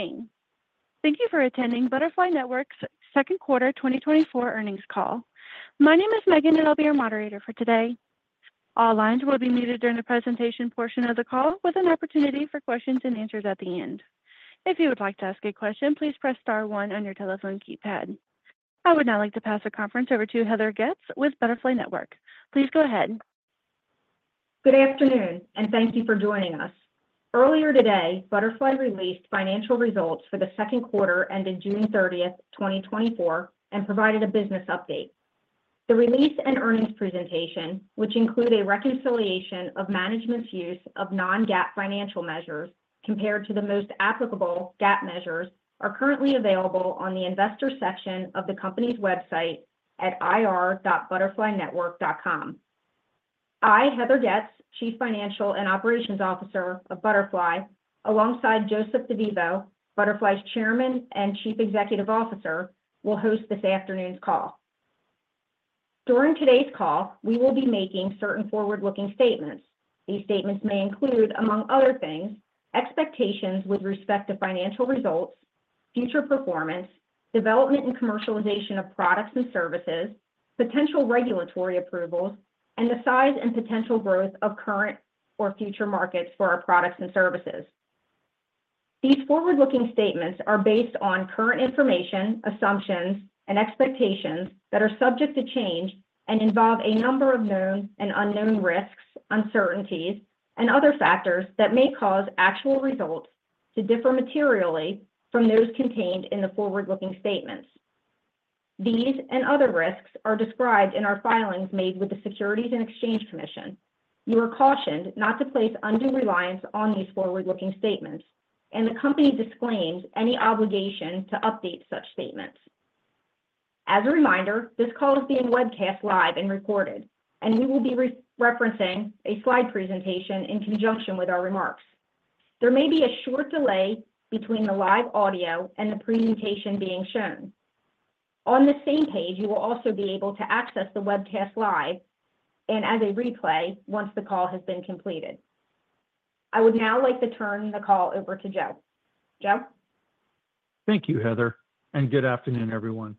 Good evening. Thank you for attending Butterfly Network's second quarter 2024 earnings call. My name is Megan, and I'll be your moderator for today. All lines will be muted during the presentation portion of the call, with an opportunity for questions and answers at the end. If you would like to ask a question, please press star one on your telephone keypad. I would now like to pass the conference over to Heather Getz with Butterfly Network. Please go ahead. Good afternoon, and thank you for joining us. Earlier today, Butterfly released financial results for the second quarter ended June 30th, 2024, and provided a business update. The release and earnings presentation, which include a reconciliation of management's use of non-GAAP financial measures compared to the most applicable GAAP measures, are currently available on the investor section of the company's website at IR.ButterflyNetwork.com. I, Heather Getz, Chief Financial and Operations Officer of Butterfly, alongside Joseph DeVivo, Butterfly's Chairman and Chief Executive Officer, will host this afternoon's call. During today's call, we will be making certain forward-looking statements. These statements may include, among other things, expectations with respect to financial results, future performance, development and commercialization of products and services, potential regulatory approvals, and the size and potential growth of current or future markets for our products and services. These forward-looking statements are based on current information, assumptions, and expectations that are subject to change and involve a number of known and unknown risks, uncertainties, and other factors that may cause actual results to differ materially from those contained in the forward-looking statements. These and other risks are described in our filings made with the Securities and Exchange Commission. You are cautioned not to place undue reliance on these forward-looking statements, and the company disclaims any obligation to update such statements. As a reminder, this call is being webcast live and recorded, and we will be referencing a slide presentation in conjunction with our remarks. There may be a short delay between the live audio and the presentation being shown. On the same page, you will also be able to access the webcast live and as a replay once the call has been completed. I would now like to turn the call over to Joe. Joe? Thank you, Heather, and good afternoon, everyone.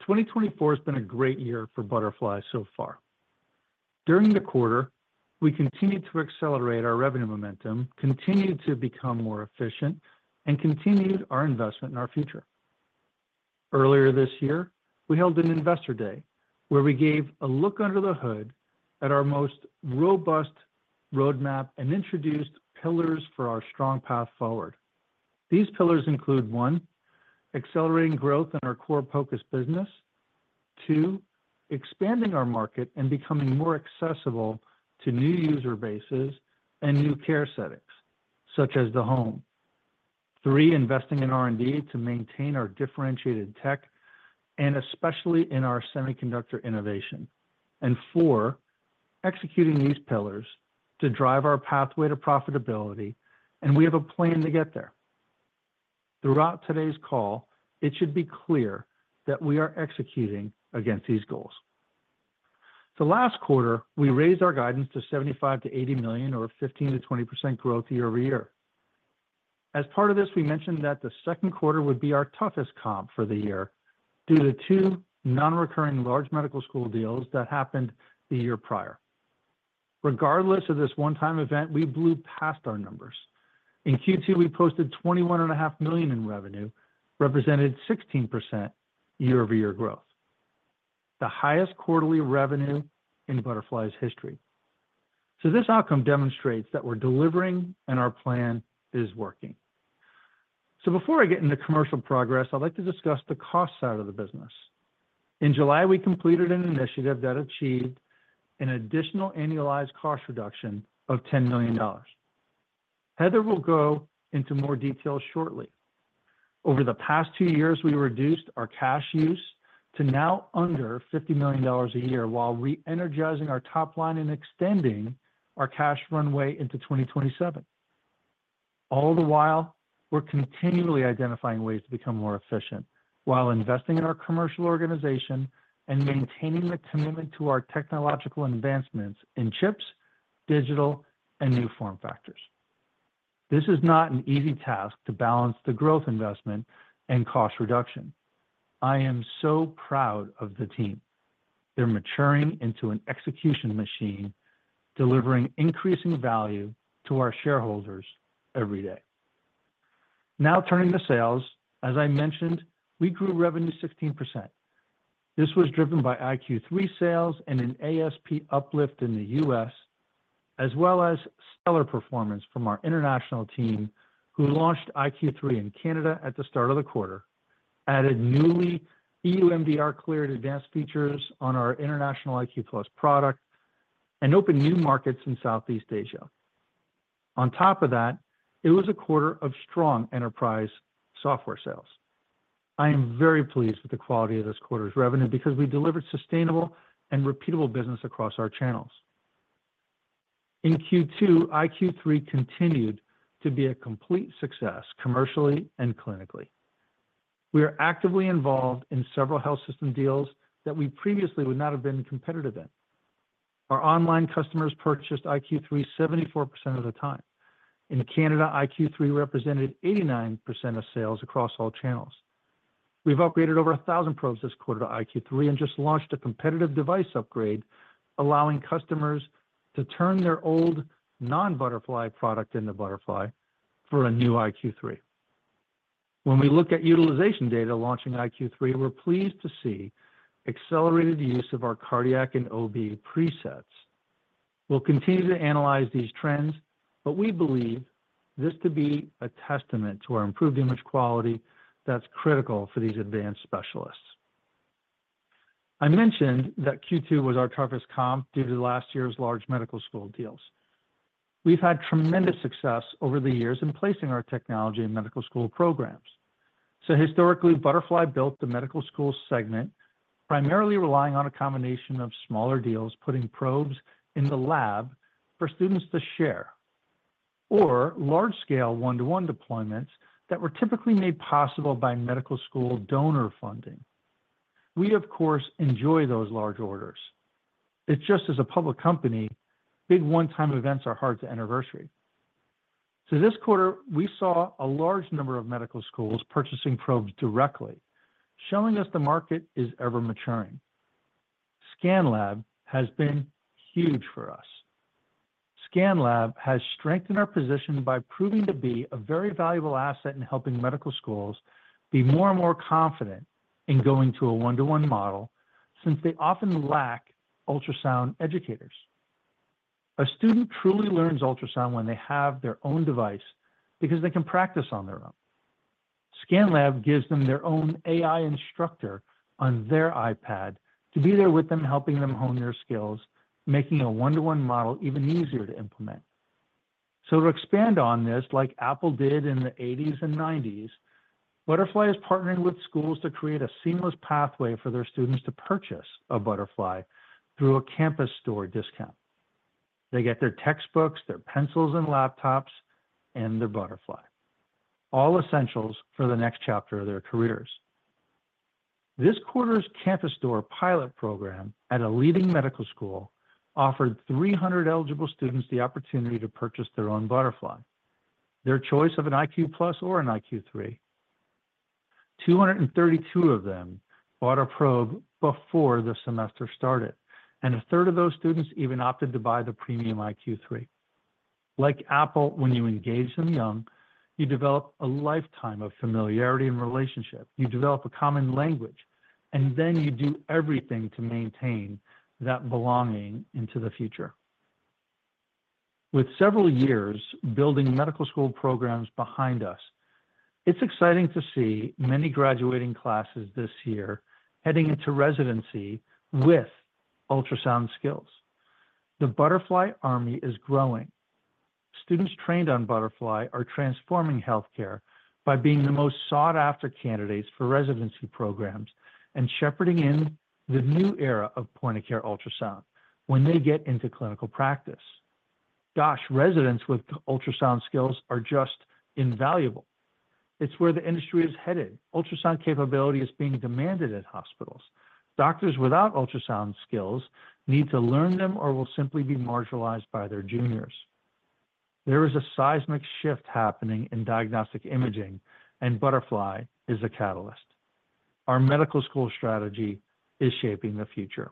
2024 has been a great year for Butterfly so far. During the quarter, we continued to accelerate our revenue momentum, continued to become more efficient, and continued our investment in our future. Earlier this year, we held an Investor Day where we gave a look under the hood at our most robust roadmap and introduced pillars for our strong path forward. These pillars include: one, accelerating growth in our core focus business; two, expanding our market and becoming more accessible to new user bases and new care settings, such as the home; three, investing in R&D to maintain our differentiated tech, and especially in our semiconductor innovation; and four, executing these pillars to drive our pathway to profitability, and we have a plan to get there. Throughout today's call, it should be clear that we are executing against these goals. The last quarter, we raised our guidance to $75 million-$80 million or 15%-20% growth year-over-year. As part of this, we mentioned that the second quarter would be our toughest comp for the year due to two non-recurring large medical school deals that happened the year prior. Regardless of this one-time event, we blew past our numbers. In Q2, we posted $21.5 million in revenue, represented 16% year-over-year growth, the highest quarterly revenue in Butterfly's history. So this outcome demonstrates that we're delivering and our plan is working. So before I get into commercial progress, I'd like to discuss the cost side of the business. In July, we completed an initiative that achieved an additional annualized cost reduction of $10 million. Heather will go into more detail shortly. Over the past two years, we reduced our cash use to now under $50 million a year while re-energizing our top line and extending our cash runway into 2027. All the while, we're continually identifying ways to become more efficient while investing in our commercial organization and maintaining the commitment to our technological advancements in chips, digital, and new form factors. This is not an easy task to balance the growth investment and cost reduction. I am so proud of the team. They're maturing into an execution machine, delivering increasing value to our shareholders every day. Now turning to sales, as I mentioned, we grew revenue 16%. This was driven by iQ3 sales and an ASP uplift in the U.S., as well as stellar performance from our international team, who launched iQ3 in Canada at the start of the quarter, added newly EU MDR cleared advanced features on our international iQ+ product, and opened new markets in Southeast Asia. On top of that, it was a quarter of strong enterprise software sales. I am very pleased with the quality of this quarter's revenue because we delivered sustainable and repeatable business across our channels. In Q2, iQ3 continued to be a complete success commercially and clinically. We are actively involved in several health system deals that we previously would not have been competitive in. Our online customers purchased iQ3 74% of the time. In Canada, iQ3 represented 89% of sales across all channels. We've upgraded over 1,000 probes this quarter to iQ3 and just launched a competitive device upgrade, allowing customers to turn their old non-Butterfly product into Butterfly for a new iQ3. When we look at utilization data launching iQ3, we're pleased to see accelerated use of our cardiac and OB presets. We'll continue to analyze these trends, but we believe this to be a testament to our improved image quality that's critical for these advanced specialists. I mentioned that Q2 was our toughest comp due to last year's large medical school deals. We've had tremendous success over the years in placing our technology in medical school programs. So historically, Butterfly built the medical school segment, primarily relying on a combination of smaller deals, putting probes in the lab for students to share, or large-scale one-to-one deployments that were typically made possible by medical school donor funding. We, of course, enjoy those large orders. It's just as a public company, big one-time events are hard to anniversary. So this quarter, we saw a large number of medical schools purchasing probes directly, showing us the market is ever maturing. ScanLab has been huge for us. ScanLab has strengthened our position by proving to be a very valuable asset in helping medical schools be more and more confident in going to a one-to-one model since they often lack ultrasound educators. A student truly learns ultrasound when they have their own device because they can practice on their own. ScanLab gives them their own AI instructor on their iPad to be there with them, helping them hone their skills, making a one-to-one model even easier to implement. So to expand on this, like Apple did in the 1980s and 1990s, Butterfly is partnering with schools to create a seamless pathway for their students to purchase a Butterfly through a campus store discount. They get their textbooks, their pencils and laptops, and their Butterfly, all essentials for the next chapter of their careers. This quarter's campus store pilot program at a leading medical school offered 300 eligible students the opportunity to purchase their own Butterfly, their choice of an iQ+ or an iQ3. 232 of them bought a probe before the semester started, and a third of those students even opted to buy the premium iQ3. Like Apple, when you engage them young, you develop a lifetime of familiarity and relationship. You develop a common language, and then you do everything to maintain that belonging into the future. With several years building medical school programs behind us, it's exciting to see many graduating classes this year heading into residency with ultrasound skills. The Butterfly Army is growing. Students trained on Butterfly are transforming healthcare by being the most sought-after candidates for residency programs and shepherding in the new era of point-of-care ultrasound when they get into clinical practice. Gosh, residents with ultrasound skills are just invaluable. It's where the industry is headed. Ultrasound capability is being demanded at hospitals. Doctors without ultrasound skills need to learn them or will simply be marginalized by their juniors. There is a seismic shift happening in diagnostic imaging, and Butterfly is a catalyst. Our medical school strategy is shaping the future.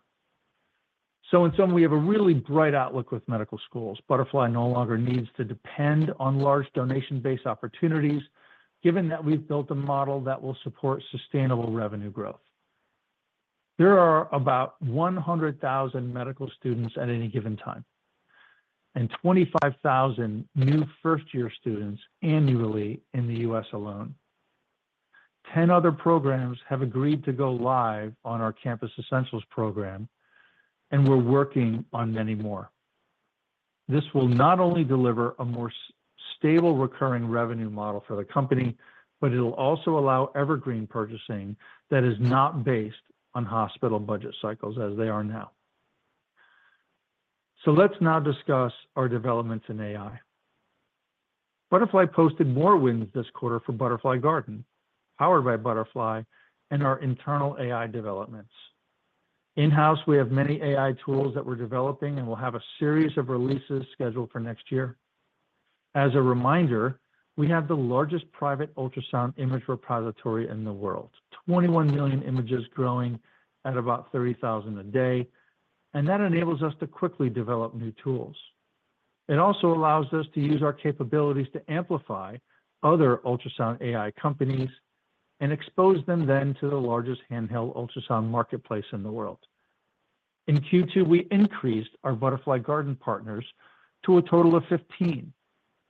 In sum, we have a really bright outlook with medical schools. Butterfly no longer needs to depend on large donation-based opportunities, given that we've built a model that will support sustainable revenue growth. There are about 100,000 medical students at any given time and 25,000 new first-year students annually in the U.S. alone. 10 other programs have agreed to go live on our campus essentials program, and we're working on many more. This will not only deliver a more stable recurring revenue model for the company, but it'll also allow evergreen purchasing that is not based on hospital budget cycles as they are now. So let's now discuss our developments in AI. Butterfly posted more wins this quarter for Butterfly Garden, powered by Butterfly and our internal AI developments. In-house, we have many AI tools that we're developing and will have a series of releases scheduled for next year. As a reminder, we have the largest private ultrasound image repository in the world, 21 million images growing at about 30,000 a day, and that enables us to quickly develop new tools. It also allows us to use our capabilities to amplify other ultrasound AI companies and expose them then to the largest handheld ultrasound marketplace in the world. In Q2, we increased our Butterfly Garden partners to a total of 15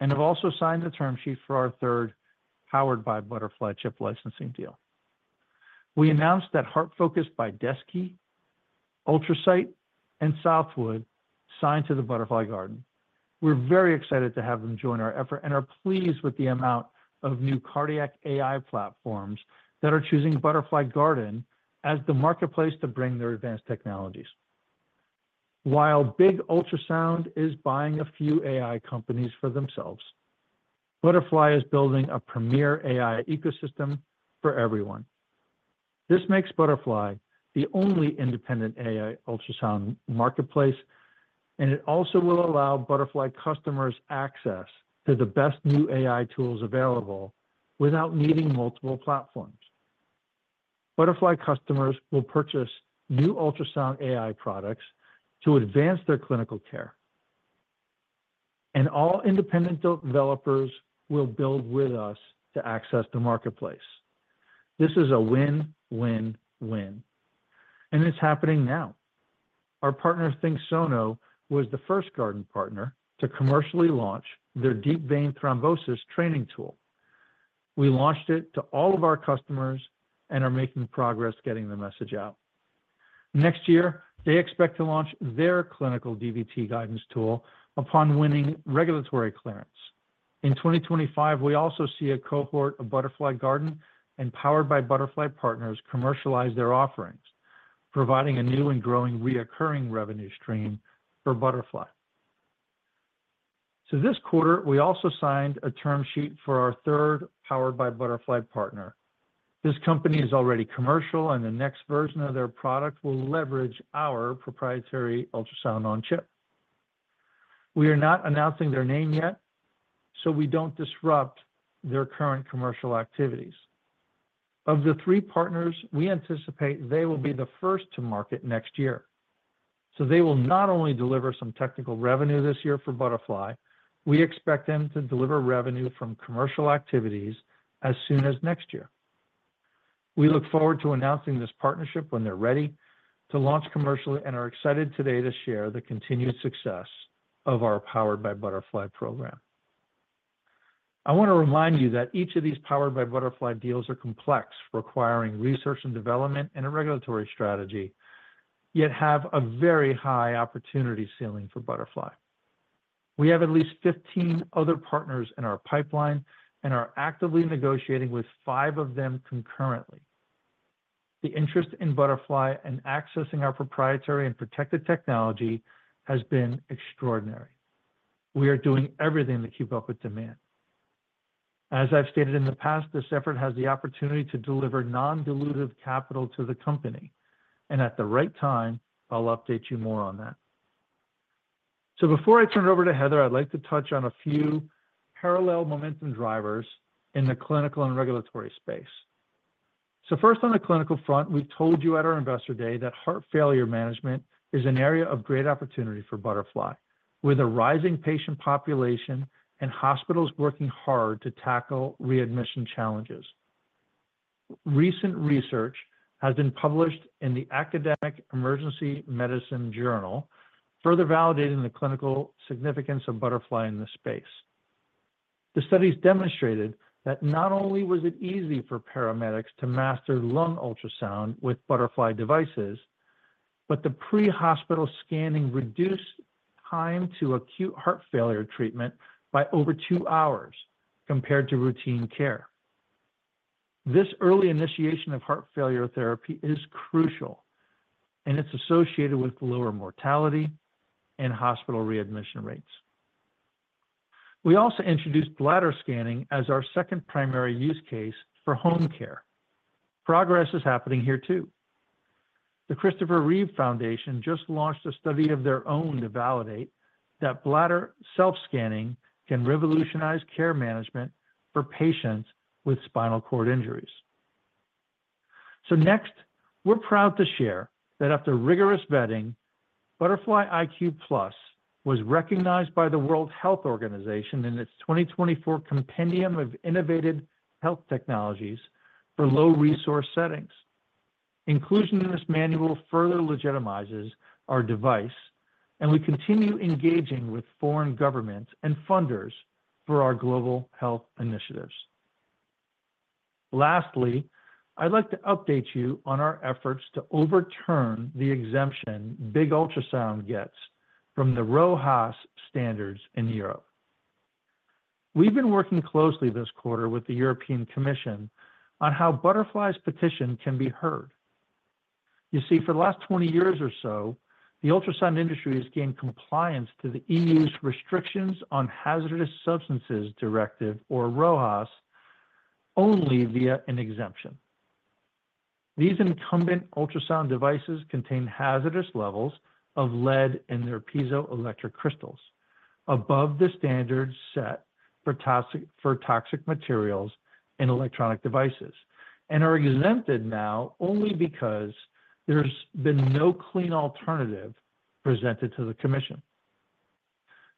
and have also signed the term sheet for our third powered by Butterfly chip licensing deal. We announced that HeartFocus by DESKi, UltraSight, and SouthWood signed to the Butterfly Garden. We're very excited to have them join our effort and are pleased with the amount of new cardiac AI platforms that are choosing Butterfly Garden as the marketplace to bring their advanced technologies. While Big Ultrasound is buying a few AI companies for themselves, Butterfly is building a premier AI ecosystem for everyone. This makes Butterfly the only independent AI ultrasound marketplace, and it also will allow Butterfly customers access to the best new AI tools available without needing multiple platforms. Butterfly customers will purchase new ultrasound AI products to advance their clinical care, and all independent developers will build with us to access the marketplace. This is a win, win, win, and it's happening now. Our partner ThinkSono was the first Garden partner to commercially launch their deep vein thrombosis training tool. We launched it to all of our customers and are making progress getting the message out. Next year, they expect to launch their clinical DVT guidance tool upon winning regulatory clearance. In 2025, we also see a cohort of Butterfly Garden and Powered by Butterfly partners commercialize their offerings, providing a new and growing recurring revenue stream for Butterfly. So this quarter, we also signed a term sheet for our third Powered by Butterfly partner. This company is already commercial, and the next version of their product will leverage our proprietary Ultrasound-on-Chip. We are not announcing their name yet, so we don't disrupt their current commercial activities. Of the three partners, we anticipate they will be the first to market next year. So they will not only deliver some technical revenue this year for Butterfly, we expect them to deliver revenue from commercial activities as soon as next year. We look forward to announcing this partnership when they're ready to launch commercially and are excited today to share the continued success of our Powered by Butterfly program. I want to remind you that each of these Powered by Butterfly deals are complex, requiring research and development and a regulatory strategy, yet have a very high opportunity ceiling for Butterfly. We have at least 15 other partners in our pipeline and are actively negotiating with 5 of them concurrently. The interest in Butterfly and accessing our proprietary and protected technology has been extraordinary. We are doing everything to keep up with demand. As I've stated in the past, this effort has the opportunity to deliver non-dilutive capital to the company, and at the right time, I'll update you more on that. Before I turn it over to Heather, I'd like to touch on a few parallel momentum drivers in the clinical and regulatory space. So first, on the clinical front, we've told you at our Investor Day that heart failure management is an area of great opportunity for Butterfly, with a rising patient population and hospitals working hard to tackle readmission challenges. Recent research has been published in the Academic Emergency Medicine Journal, further validating the clinical significance of Butterfly in this space. The studies demonstrated that not only was it easy for paramedics to master lung ultrasound with Butterfly devices, but the pre-hospital scanning reduced time to acute heart failure treatment by over two hours compared to routine care. This early initiation of heart failure therapy is crucial, and it's associated with lower mortality and hospital readmission rates. We also introduced bladder scanning as our second primary use case for home care. Progress is happening here too. The Christopher Reeve Foundation just launched a study of their own to validate that bladder self-scanning can revolutionize care management for patients with spinal cord injuries. So next, we're proud to share that after rigorous vetting, Butterfly iQ+ was recognized by the World Health Organization in its 2024 Compendium of Innovative Health Technologies for low-resource settings. Inclusion in this manual further legitimizes our device, and we continue engaging with foreign governments and funders for our global health initiatives. Lastly, I'd like to update you on our efforts to overturn the exemption big ultrasound gets from the RoHS standards in Europe. We've been working closely this quarter with the European Commission on how Butterfly's petition can be heard. You see, for the last 20 years or so, the ultrasound industry has gained compliance to the EU's restrictions on hazardous substances directive, or RoHS, only via an exemption. These incumbent ultrasound devices contain hazardous levels of lead in their piezoelectric crystals above the standard set for toxic materials in electronic devices and are exempted now only because there's been no clean alternative presented to the Commission.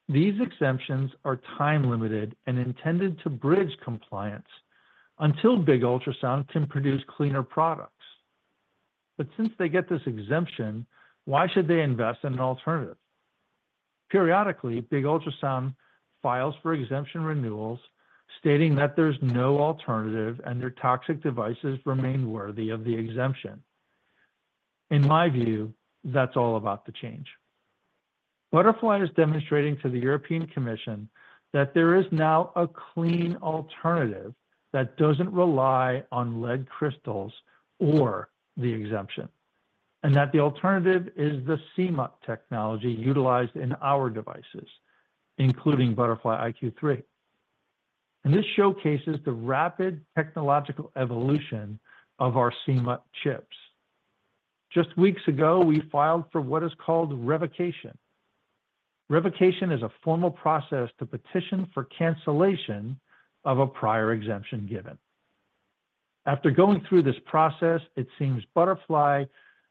These exemptions are time-limited and intended to bridge compliance until big ultrasound can produce cleaner products. But since they get this exemption, why should they invest in an alternative? Periodically, big ultrasound files for exemption renewals stating that there's no alternative and their toxic devices remain worthy of the exemption. In my view, that's all about the change. Butterfly is demonstrating to the European Commission that there is now a clean alternative that doesn't rely on lead crystals or the exemption and that the alternative is the CMUT technology utilized in our devices, including Butterfly iQ3. And this showcases the rapid technological evolution of our CMUT chips. Just weeks ago, we filed for what is called revocation. Revocation is a formal process to petition for cancellation of a prior exemption given. After going through this process, it seems Butterfly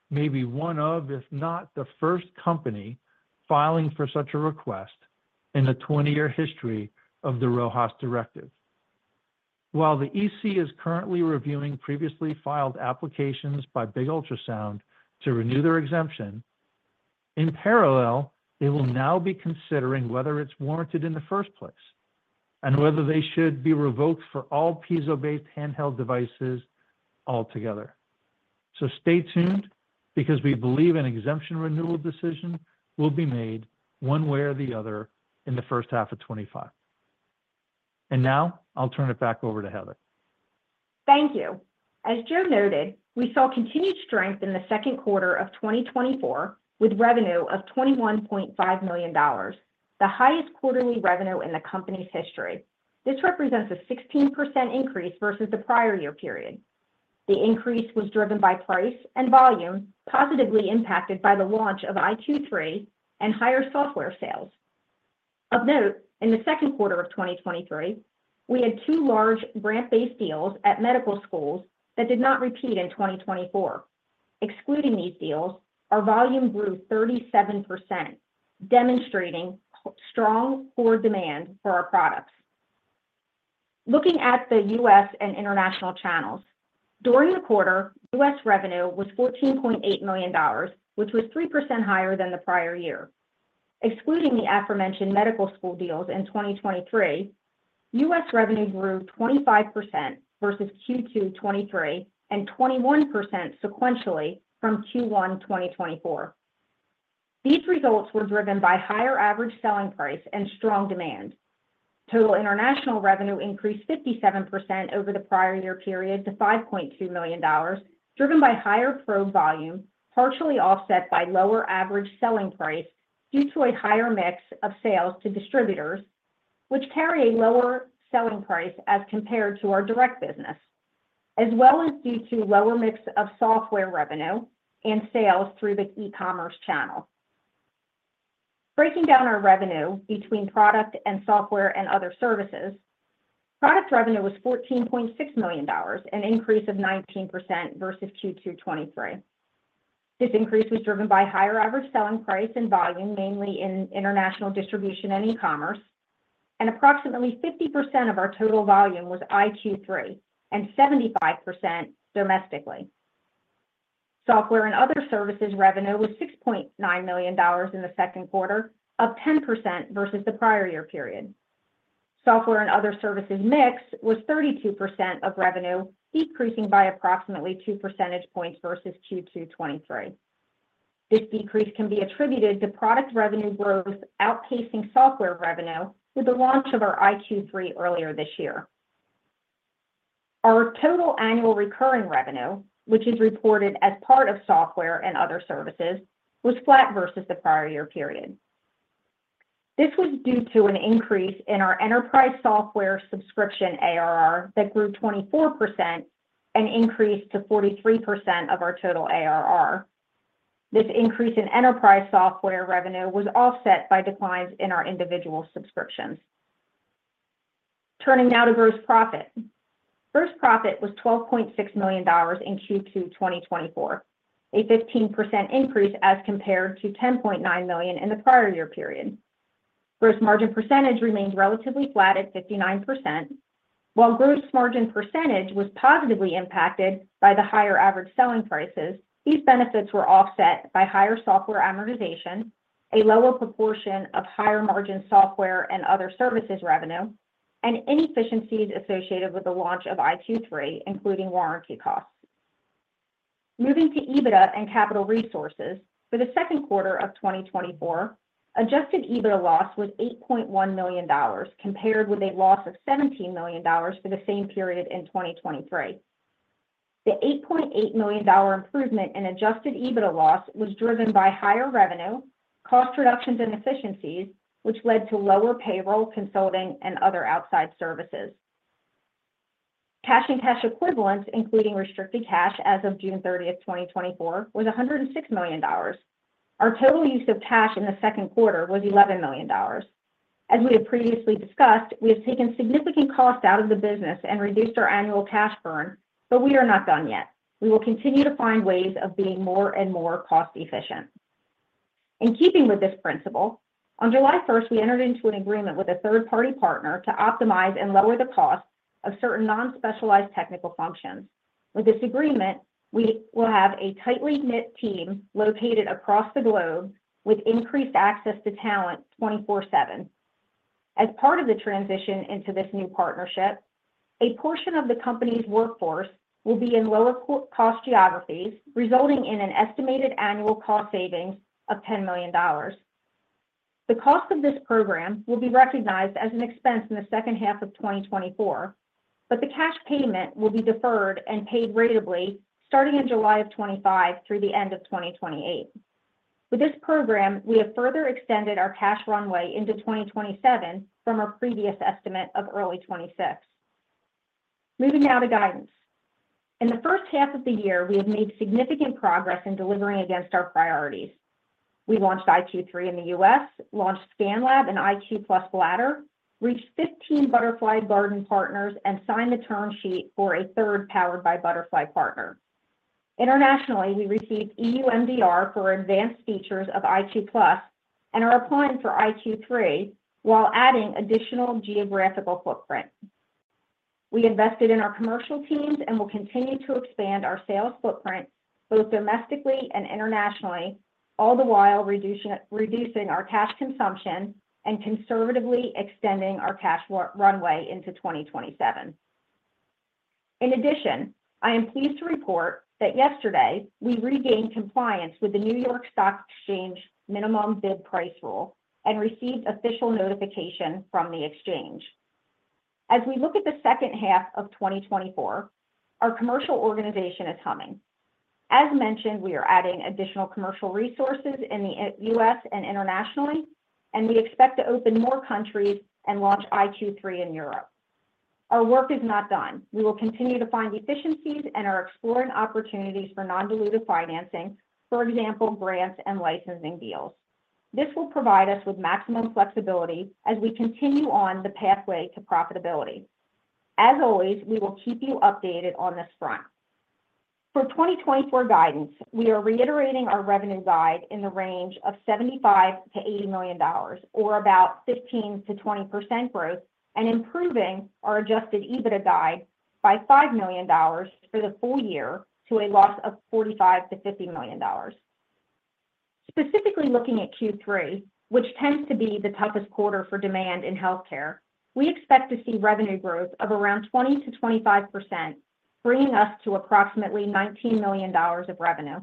may be one of, if not the first company, filing for such a request in the 20-year history of the RoHS directive. While the EC is currently reviewing previously filed applications by big ultrasound to renew their exemption, in parallel, they will now be considering whether it's warranted in the first place and whether they should be revoked for all piezo-based handheld devices altogether. So stay tuned because we believe an exemption renewal decision will be made one way or the other in the first half of 2025. And now I'll turn it back over to Heather. Thank you. As Joe noted, we saw continued strength in the second quarter of 2024 with revenue of $21.5 million, the highest quarterly revenue in the company's history. This represents a 16% increase versus the prior year period. The increase was driven by price and volume, positively impacted by the launch of iQ3 and higher software sales. Of note, in the second quarter of 2023, we had two large grant-based deals at medical schools that did not repeat in 2024. Excluding these deals, our volume grew 37%, demonstrating strong core demand for our products. Looking at the U.S. and international channels, during the quarter, U.S. revenue was $14.8 million, which was 3% higher than the prior year. Excluding the aforementioned medical school deals in 2023, U.S. revenue grew 25% versus Q2 2023 and 21% sequentially from Q1 2024. These results were driven by higher average selling price and strong demand. Total international revenue increased 57% over the prior year period to $5.2 million, driven by higher probe volume, partially offset by lower average selling price due to a higher mix of sales to distributors, which carry a lower selling price as compared to our direct business, as well as due to lower mix of software revenue and sales through the e-commerce channel. Breaking down our revenue between product and software and other services, product revenue was $14.6 million, an increase of 19% versus Q2 2023. This increase was driven by higher average selling price and volume, mainly in international distribution and e-commerce, and approximately 50% of our total volume was iQ3 and 75% domestically. Software and other services revenue was $6.9 million in the second quarter, up 10% versus the prior year period. Software and other services mix was 32% of revenue, decreasing by approximately two percentage points versus Q2 2023. This decrease can be attributed to product revenue growth outpacing software revenue with the launch of our iQ3 earlier this year. Our total annual recurring revenue, which is reported as part of software and other services, was flat versus the prior year period. This was due to an increase in our enterprise software subscription ARR that grew 24% and increased to 43% of our total ARR. This increase in enterprise software revenue was offset by declines in our individual subscriptions. Turning now to gross profit. Gross profit was $12.6 million in Q2 2024, a 15% increase as compared to $10.9 million in the prior year period. Gross margin percentage remained relatively flat at 59%. While gross margin percentage was positively impacted by the higher average selling prices, these benefits were offset by higher software amortization, a lower proportion of higher margin software and other services revenue, and inefficiencies associated with the launch of iQ3, including warranty costs. Moving to EBITDA and capital resources, for the second quarter of 2024, adjusted EBITDA loss was $8.1 million compared with a loss of $17 million for the same period in 2023. The $8.8 million improvement in adjusted EBITDA loss was driven by higher revenue, cost reductions, and efficiencies, which led to lower payroll, consulting, and other outside services. Cash and cash equivalents, including restricted cash as of June 30th, 2024, was $106 million. Our total use of cash in the second quarter was $11 million. As we have previously discussed, we have taken significant costs out of the business and reduced our annual cash burn, but we are not done yet. We will continue to find ways of being more and more cost-efficient. In keeping with this principle, on July 1st, we entered into an agreement with a third-party partner to optimize and lower the cost of certain non-specialized technical functions. With this agreement, we will have a tightly knit team located across the globe with increased access to talent 24/7. As part of the transition into this new partnership, a portion of the company's workforce will be in lower-cost geographies, resulting in an estimated annual cost savings of $10 million. The cost of this program will be recognized as an expense in the second half of 2024, but the cash payment will be deferred and paid ratably starting in July of 2025 through the end of 2028. With this program, we have further extended our cash runway into 2027 from our previous estimate of early 2026. Moving now to guidance. In the first half of the year, we have made significant progress in delivering against our priorities. We launched iQ3 in the U.S., launched ScanLab and iQ+ Bladder, reached 15 Butterfly Garden partners, and signed the term sheet for a third powered-by Butterfly partner. Internationally, we received EU MDR for advanced features of IQ Plus and are applying for iQ3 while adding additional geographical footprint. We invested in our commercial teams and will continue to expand our sales footprint both domestically and internationally, all the while reducing our cash consumption and conservatively extending our cash runway into 2027. In addition, I am pleased to report that yesterday we regained compliance with the New York Stock Exchange minimum bid price rule and received official notification from the exchange. As we look at the second half of 2024, our commercial organization is humming. As mentioned, we are adding additional commercial resources in the U.S. and internationally, and we expect to open more countries and launch iQ3 in Europe. Our work is not done. We will continue to find efficiencies and are exploring opportunities for non-dilutive financing, for example, grants and licensing deals. This will provide us with maximum flexibility as we continue on the pathway to profitability. As always, we will keep you updated on this front. For 2024 guidance, we are reiterating our revenue guide in the range of $75 million-$80 million, or about 15%-20% growth, and improving our adjusted EBITDA guide by $5 million for the full-year to a loss of $45 million-$50 million. Specifically looking at Q3, which tends to be the toughest quarter for demand in healthcare, we expect to see revenue growth of around 20%-25%, bringing us to approximately $19 million of revenue.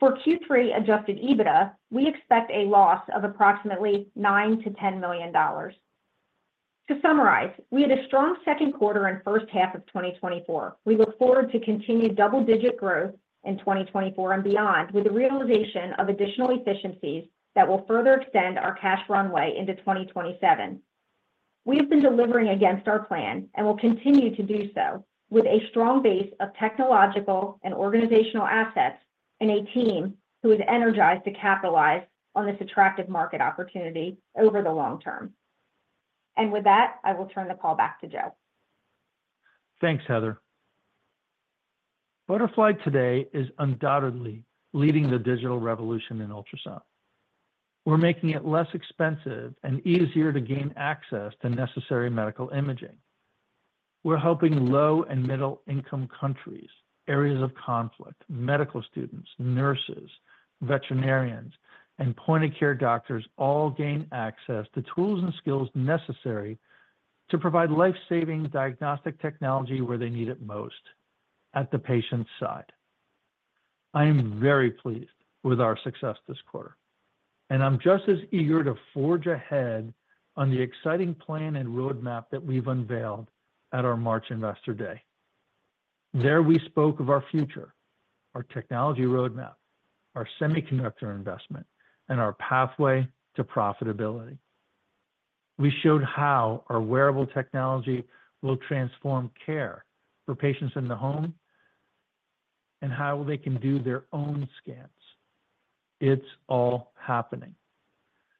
For Q3 adjusted EBITDA, we expect a loss of approximately $9 million-$10 million. To summarize, we had a strong second quarter and first half of 2024. We look forward to continued double-digit growth in 2024 and beyond with the realization of additional efficiencies that will further extend our cash runway into 2027. We have been delivering against our plan and will continue to do so with a strong base of technological and organizational assets and a team who is energized to capitalize on this attractive market opportunity over the long term. With that, I will turn the call back to Joe. Thanks, Heather. Butterfly today is undoubtedly leading the digital revolution in ultrasound. We're making it less expensive and easier to gain access to necessary medical imaging. We're helping low and middle-income countries, areas of conflict, medical students, nurses, veterinarians, and point-of-care doctors all gain access to tools and skills necessary to provide life-saving diagnostic technology where they need it most at the patient's side. I am very pleased with our success this quarter, and I'm just as eager to forge ahead on the exciting plan and roadmap that we've unveiled at our March Investor Day. There we spoke of our future, our technology roadmap, our semiconductor investment, and our pathway to profitability. We showed how our wearable technology will transform care for patients in the home and how they can do their own scans. It's all happening.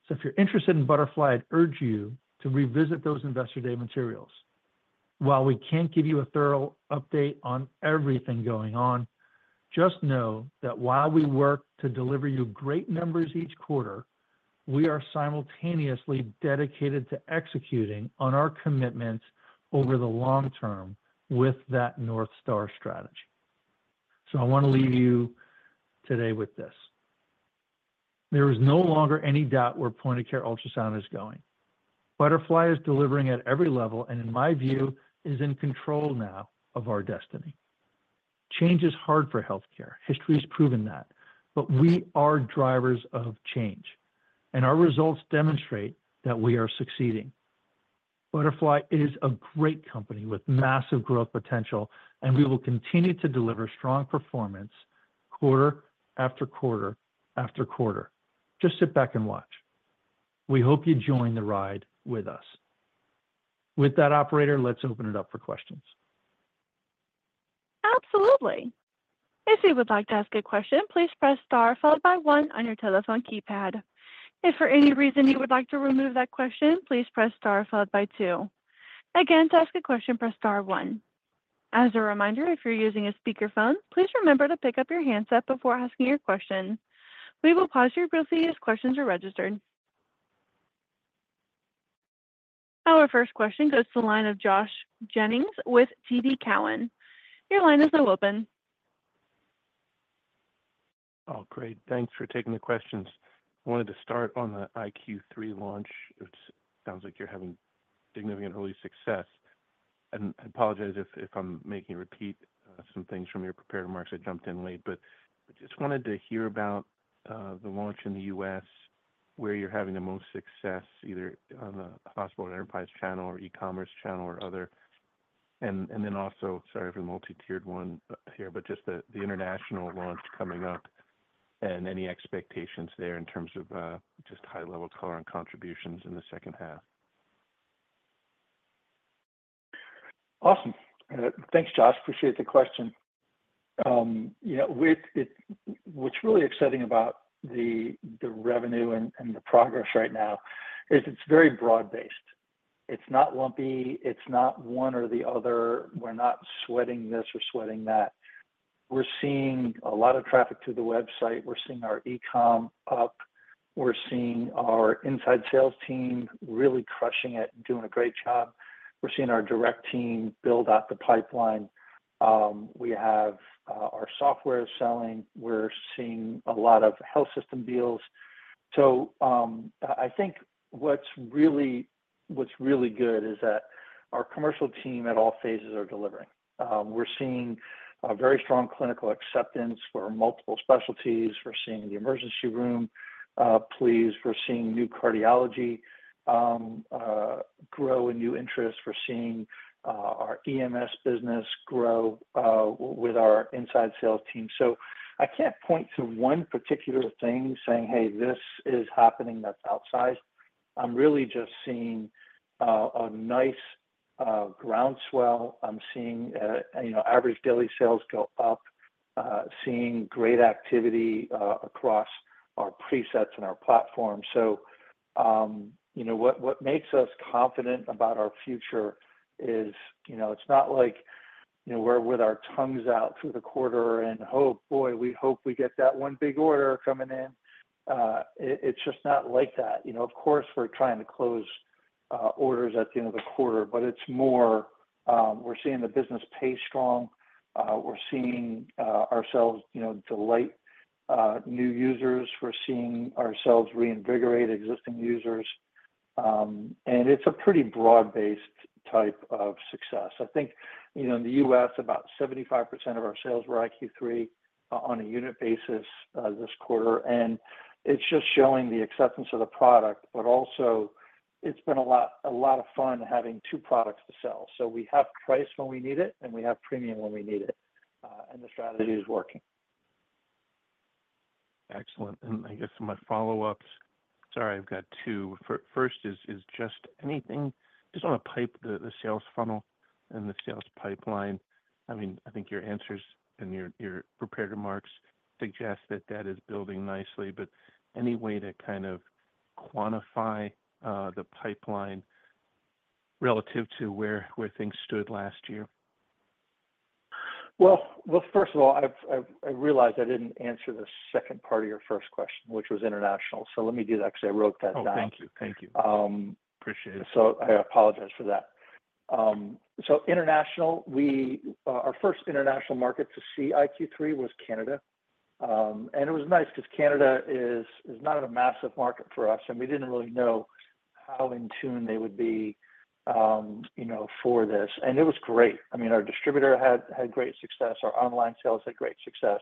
So if you're interested in Butterfly, I'd urge you to revisit those Investor Day materials. While we can't give you a thorough update on everything going on, just know that while we work to deliver you great numbers each quarter, we are simultaneously dedicated to executing on our commitments over the long term with that North Star strategy. So I want to leave you today with this. There is no longer any doubt where point-of-care ultrasound is going. Butterfly is delivering at every level and, in my view, is in control now of our destiny. Change is hard for healthcare. History has proven that. But we are drivers of change, and our results demonstrate that we are succeeding. Butterfly is a great company with massive growth potential, and we will continue to deliver strong performance quarter after quarter after quarter. Just sit back and watch. We hope you join the ride with us. With that, operator, let's open it up for questions. Absolutely. If you would like to ask a question, please press star followed by one on your telephone keypad. If for any reason you would like to remove that question, please press star followed by two. Again, to ask a question, press star one. As a reminder, if you're using a speakerphone, please remember to pick up your handset before asking your question. We will pause briefly as questions are registered. Our first question goes to the line of Josh Jennings with TD Cowen. Your line is now open. Oh, great. Thanks for taking the questions. I wanted to start on the iQ3 launch. It sounds like you're having significant early success. I apologize if I'm making you repeat some things from your prepared remarks. I jumped in late. But just wanted to hear about the launch in the U.S., where you're having the most success, either on the hospital and enterprise channel or e-commerce channel or other. Then also, sorry for the multi-tiered one here, but just the international launch coming up and any expectations there in terms of just high-level color and contributions in the second half? Awesome. Thanks, Josh. Appreciate the question. What's really exciting about the revenue and the progress right now is it's very broad-based. It's not lumpy. It's not one or the other. We're not sweating this or sweating that. We're seeing a lot of traffic to the website. We're seeing our e-com up. We're seeing our inside sales team really crushing it, doing a great job. We're seeing our direct team build out the pipeline. We have our software selling. We're seeing a lot of health system deals. So I think what's really good is that our commercial team at all phases are delivering. We're seeing a very strong clinical acceptance for multiple specialties. We're seeing the emergency room please. We're seeing new cardiology grow and new interest. We're seeing our EMS business grow with our inside sales team. So I can't point to one particular thing saying, "Hey, this is happening that's outsized." I'm really just seeing a nice groundswell. I'm seeing average daily sales go up, seeing great activity across our presets and our platform. So what makes us confident about our future is it's not like we're with our tongues out through the quarter and, "Oh, boy, we hope we get that one big order coming in." It's just not like that. Of course, we're trying to close orders at the end of the quarter, but it's more we're seeing the business pay strong. We're seeing ourselves delight new users. We're seeing ourselves reinvigorate existing users. And it's a pretty broad-based type of success. I think in the U.S., about 75% of our sales were iQ3 on a unit basis this quarter. And it's just showing the acceptance of the product, but also it's been a lot of fun having two products to sell. So we have price when we need it, and we have premium when we need it. And the strategy is working. Excellent. And I guess my follow-ups, sorry, I've got two. First is just anything just on the sales funnel and the sales pipeline. I mean, I think your answers and your prepared remarks suggest that that is building nicely. But any way to kind of quantify the pipeline relative to where things stood last year? Well, first of all, I realized I didn't answer the second part of your first question, which was international. So let me do that because I wrote that down. Oh, thank you. Thank you. Appreciate it. So I apologize for that. So international, our first international market to see iQ3 was Canada. And it was nice because Canada is not a massive market for us, and we didn't really know how in tune they would be for this. And it was great. I mean, our distributor had great success. Our online sales had great success.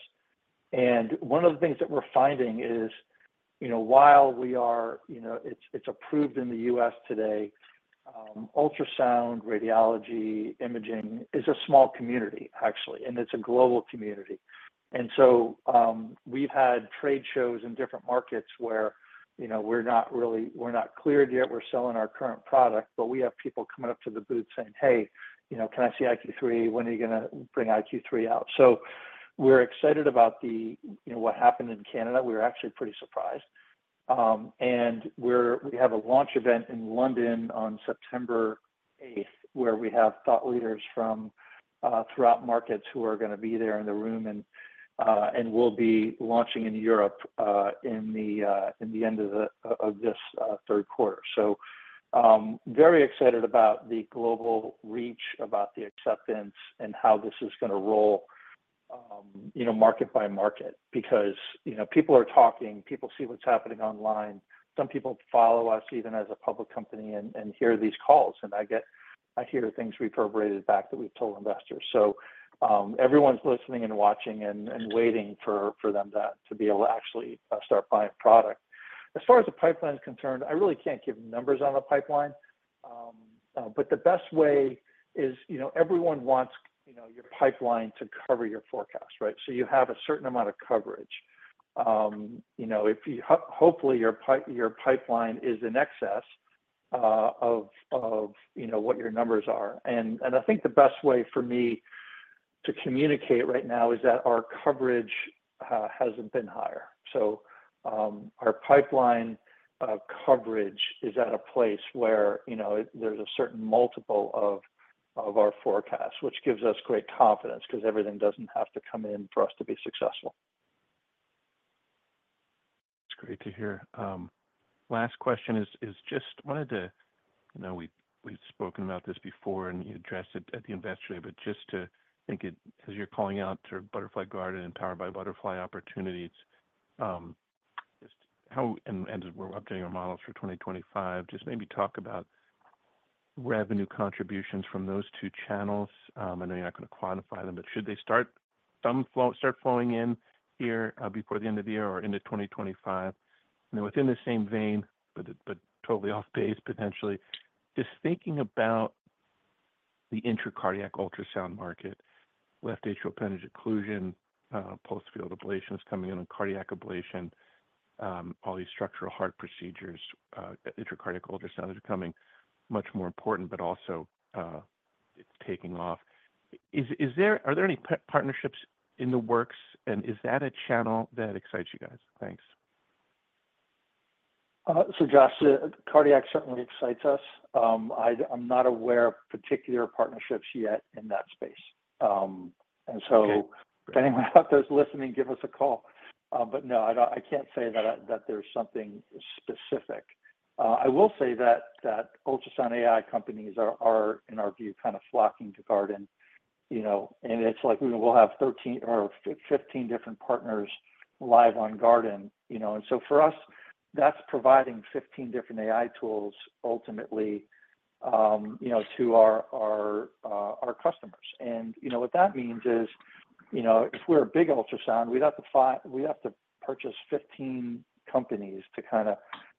And one of the things that we're finding is while we are, it's approved in the U.S. today ultrasound, radiology, imaging is a small community, actually, and it's a global community. And so we've had trade shows in different markets where we're not cleared yet. We're selling our current product, but we have people coming up to the booth saying, "Hey, can I see iQ3? When are you going to bring iQ3 out?" So we're excited about what happened in Canada. We were actually pretty surprised. And we have a launch event in London on September 8th where we have thought leaders from throughout markets who are going to be there in the room and will be launching in Europe in the end of this third quarter. So very excited about the global reach, about the acceptance, and how this is going to roll market by market because people are talking. People see what's happening online. Some people follow us even as a public company and hear these calls. I hear things reverberated back that we've told investors. Everyone's listening and watching and waiting for them to be able to actually start buying product. As far as the pipeline is concerned, I really can't give numbers on the pipeline. The best way is everyone wants your pipeline to cover your forecast, right? You have a certain amount of coverage. Hopefully, your pipeline is in excess of what your numbers are. I think the best way for me to communicate right now is that our coverage hasn't been higher. Our pipeline coverage is at a place where there's a certain multiple of our forecast, which gives us great confidence because everything doesn't have to come in for us to be successful. That's great to hear. Last question, I just wanted to—we've spoken about this before and you addressed it at the Investor Day—but just to think it, as you're calling out to Butterfly Garden and Powered by Butterfly opportunities, just how—and we're updating our models for 2025—just maybe talk about revenue contributions from those two channels. I know you're not going to quantify them, but should they start flowing in here before the end of the year or into 2025? And then within the same vein, but totally off base potentially, just thinking about the intracardiac ultrasound market, left atrial appendage occlusion, pulse field ablations coming in, and cardiac ablation, all these structural heart procedures, intracardiac ultrasound is becoming much more important, but also it's taking off. Are there any partnerships in the works, and is that a channel that excites you guys? Thanks. So, Josh, cardiac certainly excites us. I'm not aware of particular partnerships yet in that space. And so if anyone out there's listening, give us a call. But no, I can't say that there's something specific. I will say that ultrasound AI companies are, in our view, kind of flocking to Garden. And it's like we'll have 13 or 15 different partners live on Garden. And so for us, that's providing 15 different AI tools ultimately to our customers. And what that means is if we're a big ultrasound, we'd have to purchase 15 companies to kind of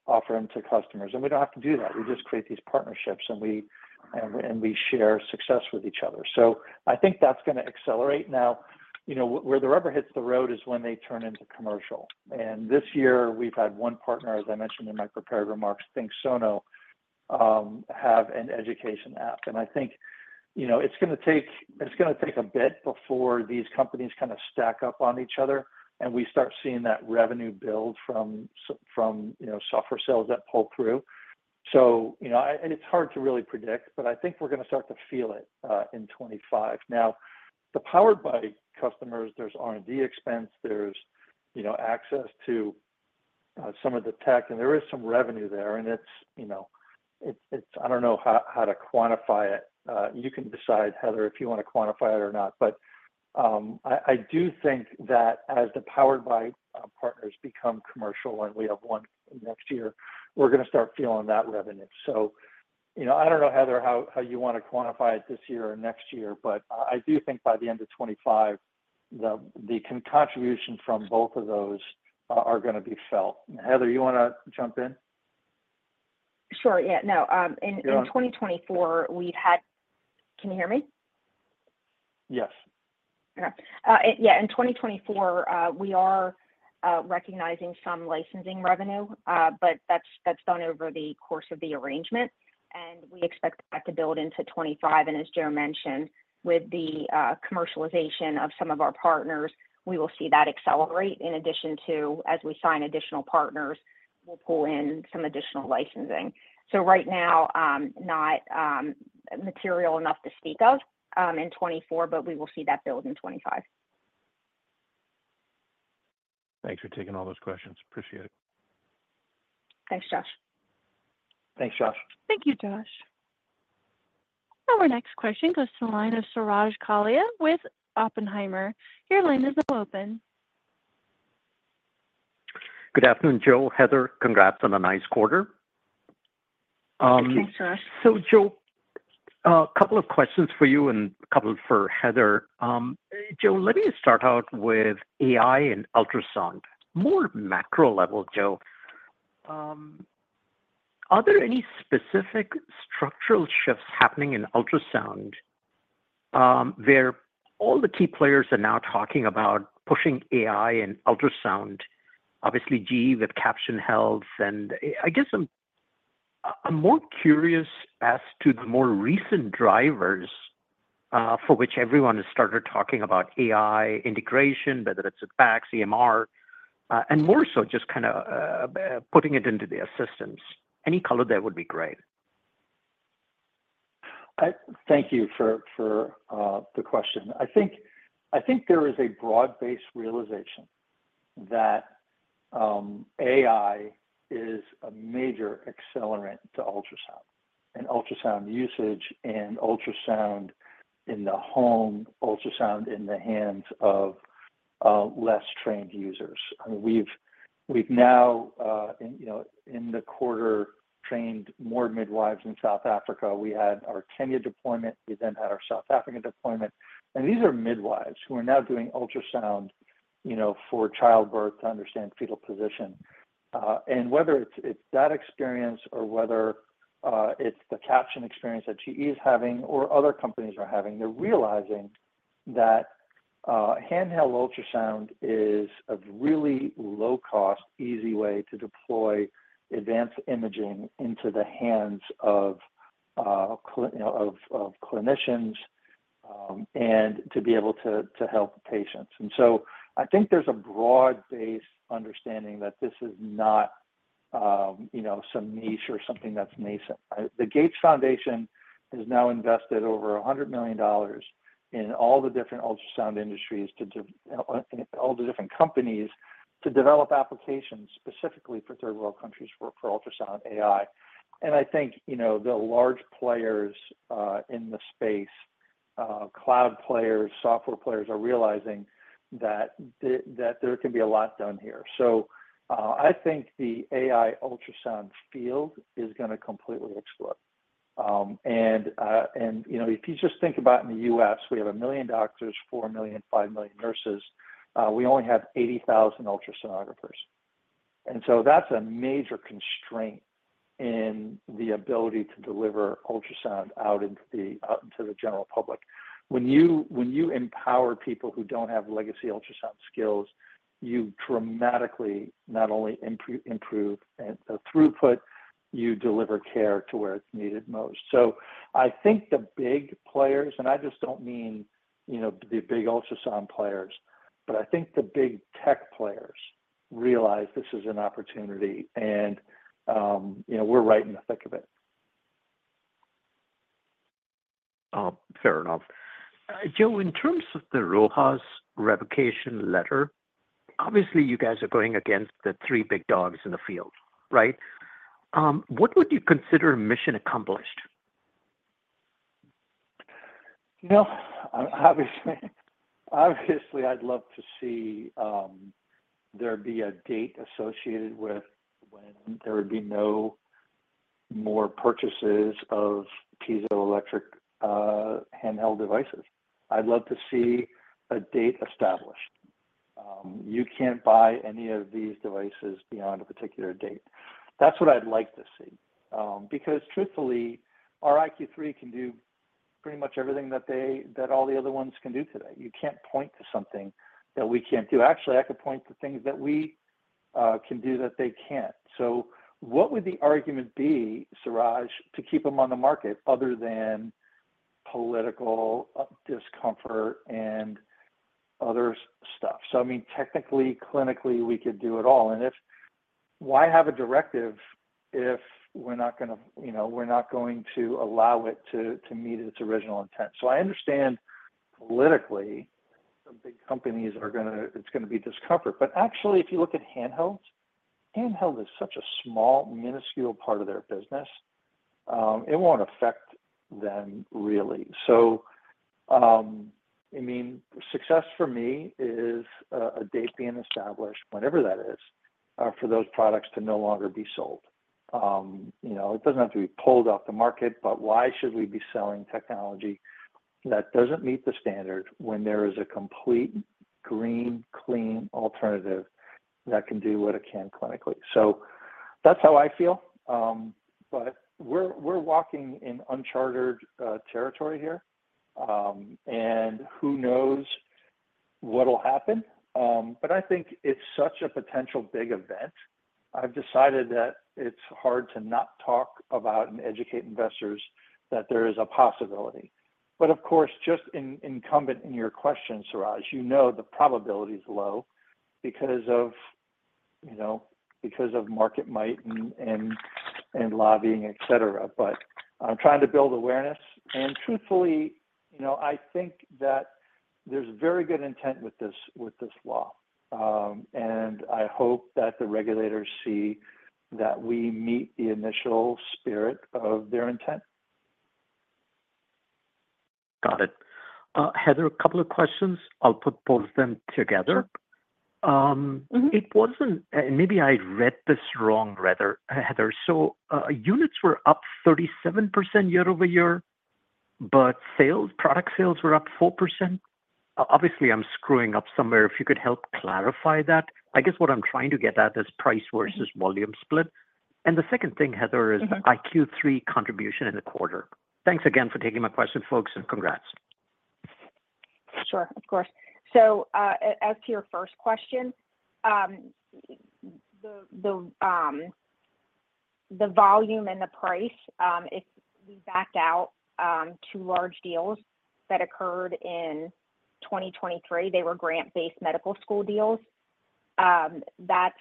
offer them to customers. And we don't have to do that. We just create these partnerships, and we share success with each other. So I think that's going to accelerate. Now, where the rubber hits the road is when they turn into commercial. This year, we've had one partner, as I mentioned in my prepared remarks, ThinkSono, have an education app. I think it's going to take a bit before these companies kind of stack up on each other and we start seeing that revenue build from software sales that pull through. So it's hard to really predict, but I think we're going to start to feel it in 2025. Now, the Powered by customers, there's R&D expense, there's access to some of the tech, and there is some revenue there. And I don't know how to quantify it. You can decide, Heather, if you want to quantify it or not. But I do think that as the Powered by partners become commercial, and we have one next year, we're going to start feeling that revenue. So I don't know, Heather, how you want to quantify it this year or next year, but I do think by the end of 2025, the contribution from both of those are going to be felt. Heather, you want to jump in? Sure. Yeah. No. In 2024, we've had. Can you hear me? Yes. Okay. Yeah. In 2024, we are recognizing some licensing revenue, but that's done over the course of the arrangement. And we expect that to build into 2025. And as Joe mentioned, with the commercialization of some of our partners, we will see that accelerate in addition to, as we sign additional partners, we'll pull in some additional licensing. So right now, not material enough to speak of in 2024, but we will see that build in 2025. Thanks for taking all those questions. Appreciate it. Thanks, Josh. Thanks, Josh. Thank you, Josh. Our next question goes to the line of Suraj Kalia with Oppenheimer. Your line is now open. Good afternoon, Joe. Heather, congrats on a nice quarter. Thank you, Suraj. So, Joe, a couple of questions for you and a couple for Heather. Joe, let me start out with AI and ultrasound. More macro level, Joe. Are there any specific structural shifts happening in ultrasound where all the key players are now talking about pushing AI and ultrasound? Obviously, GE with Caption Health. And I guess I'm more curious as to the more recent drivers for which everyone has started talking about AI integration, whether it's a fax, EMR, and more so just kind of putting it into their systems. Any color there would be great. Thank you for the question. I think there is a broad-based realization that AI is a major accelerant to ultrasound and ultrasound usage and ultrasound in the home, ultrasound in the hands of less trained users. I mean, we've now, in the quarter, trained more midwives in South Africa. We had our Kenya deployment. We then had our South Africa deployment. And these are midwives who are now doing ultrasound for childbirth to understand fetal position. And whether it's that experience or whether it's the caption experience that GE is having or other companies are having, they're realizing that handheld ultrasound is a really low-cost, easy way to deploy advanced imaging into the hands of clinicians and to be able to help patients. And so I think there's a broad-based understanding that this is not some niche or something that's nascent. The Gates Foundation has now invested over $100 million in all the different ultrasound industries, all the different companies to develop applications specifically for third-world countries for ultrasound AI. I think the large players in the space, cloud players, software players, are realizing that there can be a lot done here. I think the AI ultrasound field is going to completely explode. If you just think about in the U.S., we have 1 million doctors, 4 million, 5 million nurses. We only have 80,000 ultrasonographers. So that's a major constraint in the ability to deliver ultrasound out into the general public. When you empower people who don't have legacy ultrasound skills, you dramatically not only improve the throughput, you deliver care to where it's needed most. So I think the big players, and I just don't mean the big ultrasound players, but I think the big tech players realize this is an opportunity, and we're right in the thick of it. Fair enough. Joe, in terms of the RoHS revocation letter, obviously, you guys are going against the three big dogs in the field, right? What would you consider a mission accomplished? Obviously, I'd love to see there be a date associated with when there would be no more purchases of piezoelectric handheld devices. I'd love to see a date established. You can't buy any of these devices beyond a particular date. That's what I'd like to see. Because truthfully, our iQ3 can do pretty much everything that all the other ones can do today. You can't point to something that we can't do. Actually, I could point to things that we can do that they can't. So what would the argument be, Suraj, to keep them on the market other than political discomfort and other stuff? So I mean, technically, clinically, we could do it all. And why have a directive if we're not going to—we're not going to allow it to meet its original intent? So I understand politically, some big companies are going to—it's going to be discomfort. But actually, if you look at handhelds, handheld is such a small, minuscule part of their business. It won't affect them really. So I mean, success for me is a date being established, whenever that is, for those products to no longer be sold. It doesn't have to be pulled off the market, but why should we be selling technology that doesn't meet the standard when there is a complete green, clean alternative that can do what it can clinically? So that's how I feel. But we're walking in uncharted territory here. And who knows what will happen? But I think it's such a potential big event. I've decided that it's hard to not talk about and educate investors that there is a possibility. But of course, just inherent in your question, Suraj, you know the probability is low because of market might and lobbying, etc. But I'm trying to build awareness. And truthfully, I think that there's very good intent with this law. And I hope that the regulators see that we meet the initial spirit of their intent. Got it. Heather, a couple of questions. I'll put both of them together. Maybe I read this wrong, Heather. So units were up 37% year-over-year, but product sales were up 4%. Obviously, I'm screwing up somewhere. If you could help clarify that. I guess what I'm trying to get at is price versus volume split. And the second thing, Heather, is iQ3 contribution in the quarter. Thanks again for taking my question, folks, and congrats. Sure. Of course. So as to your first question, the volume and the price, if we back out 2 large deals that occurred in 2023, they were grant-based medical school deals. That's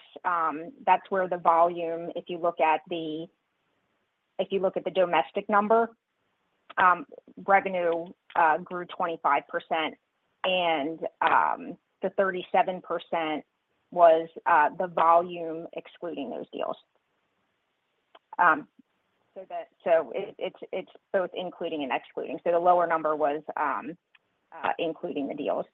where the volume, if you look at the domestic number, revenue grew 25%, and the 37% was the volume excluding those deals. So it's both including and excluding. So the lower number was including the deals.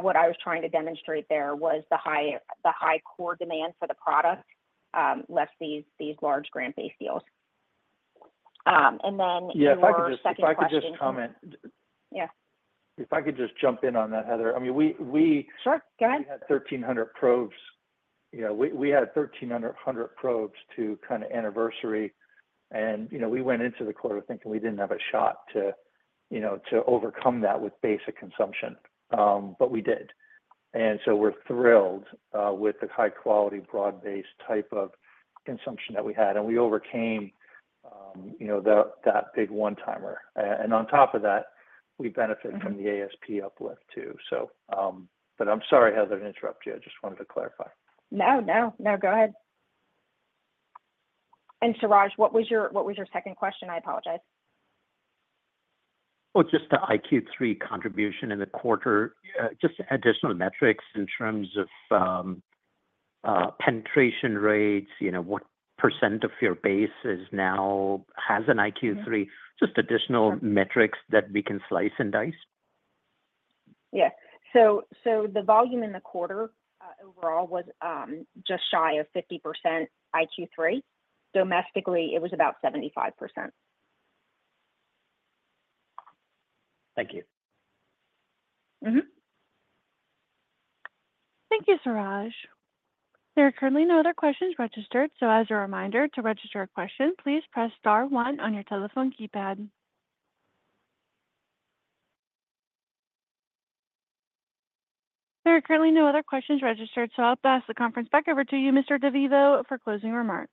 What I was trying to demonstrate there was the high core demand for the product despite these large grant-based deals. And then you're also— Yeah. If I could just—If I could just comment. Yeah. If I could just jump in on that, Heather. I mean, we—Sure. Go ahead. We had 1,300 probes. We had 1,300 probes to kind of anniversary. And we went into the quarter thinking we didn't have a shot to overcome that with basic consumption. But we did. And so we're thrilled with the high-quality, broad-based type of consumption that we had. And we overcame that big one-timer. And on top of that, we benefited from the ASP uplift too. But I'm sorry, Heather, to interrupt you. I just wanted to clarify. No. No. No. Go ahead. And Suraj, what was your second question? I apologize. Well, just the iQ3 contribution in the quarter, just additional metrics in terms of penetration rates, what percent of your base now has an iQ3, just additional metrics that we can slice and dice? Yeah. So the volume in the quarter overall was just shy of 50% iQ3. Domestically, it was about 75%. Thank you. Thank you, Suraj. There are currently no other questions registered. So as a reminder, to register a question, please press star one on your telephone keypad. There are currently no other questions registered. So I'll pass the conference back over to you, Mr. DeVivo, for closing remarks.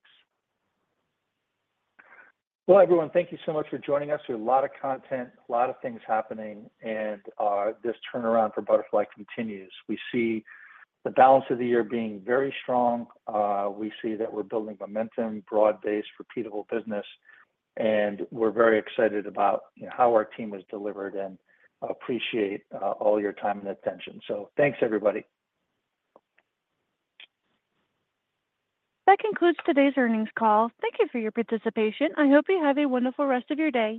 Well, everyone, thank you so much for joining us. We have a lot of content, a lot of things happening, and this turnaround for Butterfly continues. We see the balance of the year being very strong. We see that we're building momentum, broad-based, repeatable business. We're very excited about how our team has delivered and appreciate all your time and attention. Thanks, everybody. That concludes today's earnings call. Thank you for your participation. I hope you have a wonderful rest of your day.